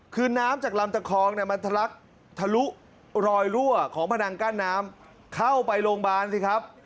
คือน้ำจากลำตะคองมันทะลักทะลุรอยรั่วของพนังกั้นน้ำเข้าไปโรงพยาบาลสิครับ